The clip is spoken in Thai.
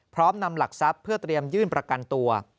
นำหลักทรัพย์เพื่อเตรียมยื่นประกันตัว